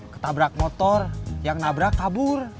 ketabrak motor yang nabrak kabur